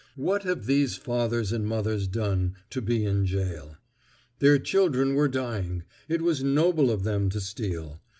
What have these fathers and mothers done to be in gaol? Their children were dying; it was noble of them to steal.